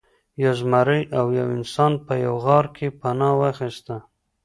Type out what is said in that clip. یو زمری او یو انسان په یوه غار کې پناه واخیسته.